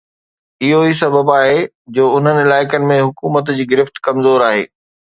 اهو ئي سبب آهي جو انهن علائقن ۾ حڪومت جي گرفت ڪمزور آهي